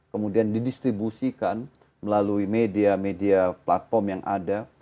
kemudian didistribusikan melalui media media platform yang ada